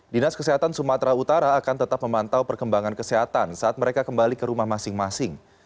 dinas kesehatan sumatera utara akan tetap memantau perkembangan kesehatan saat mereka kembali ke rumah masing masing